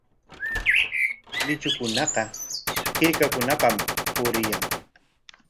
Luychukunaqa hirkakunapam puriyan.